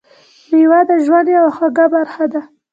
میوه د ژوند یوه خوږه برخه ده.